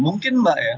mungkin mbak ya